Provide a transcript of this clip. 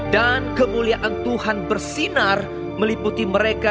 dan kemuliaan tuhan bersinar meliputi mereka